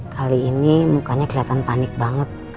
kali ini mukanya kelihatan panik banget